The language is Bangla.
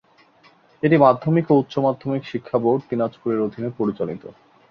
এটি মাধ্যমিক ও উচ্চ মাধ্যমিক শিক্ষা বোর্ড, দিনাজপুর এর অধীনে পরিচালিত।